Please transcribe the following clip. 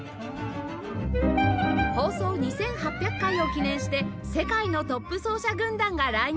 放送２８００回を記念して世界のトップ奏者軍団が来日！